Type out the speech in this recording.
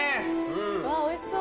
うわおいしそう。